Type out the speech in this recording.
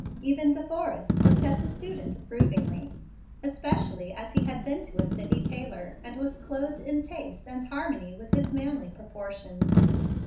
Even De Forrest looked at the student approvingly, especially as he had been to a city tailor and was clothed in taste and harmony with his manly proportions.